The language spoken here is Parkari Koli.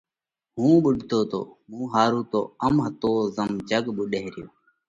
هُون ٻُوڏتو تو، مُون ۿارُو تو ام هتو زم جڳ ٻُوڏئه ريو۔